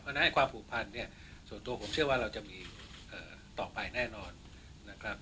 เพราะฉะนั้นความผูกพันเนี่ยส่วนตัวผมเชื่อว่าเราจะมีต่อไปแน่นอนนะครับ